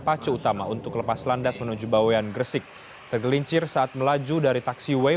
pacu utama untuk lepas landas menuju bawean gresik tergelincir saat melaju dari taksiway